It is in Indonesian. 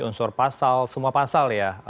unsur pasal semua pasal ya